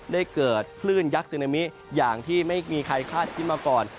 ได้เกิดคลื่นยักษ์ซึนามิอย่างที่ไม่มีใครคาดคิดมาก่อน